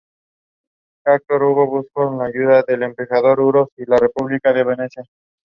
Salem Rd.